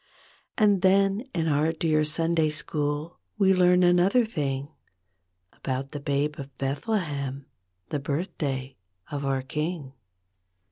And then in our dear Sunday School We learn another thing About the Babe of Bethlehem— The birthday of our King.